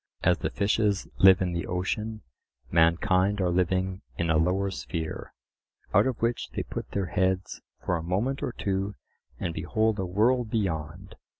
As the fishes live in the ocean, mankind are living in a lower sphere, out of which they put their heads for a moment or two and behold a world beyond.